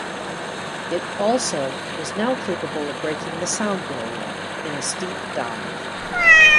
It also was now capable of breaking the sound barrier in a steep dive.